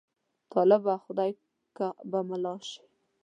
طالبه! خدای که به ملا شې.